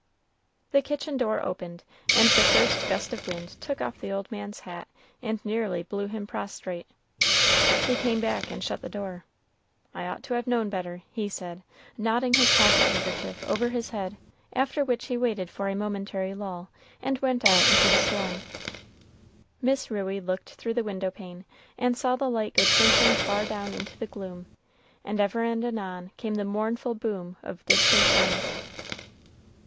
The kitchen door opened, and the first gust of wind took off the old man's hat and nearly blew him prostrate. He came back and shut the door. "I ought to have known better," he said, knotting his pocket handkerchief over his head, after which he waited for a momentary lull, and went out into the storm. Miss Ruey looked through the window pane, and saw the light go twinkling far down into the gloom, and ever and anon came the mournful boom of distant guns.